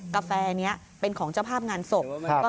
กาแฟนี้เป็นของเจ้าภาพงานศพ